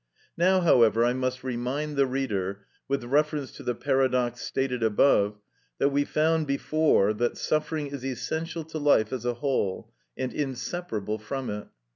Now, however, I must remind the reader, with reference to the paradox stated above, that we found before that suffering is essential to life as a whole, and inseparable from it.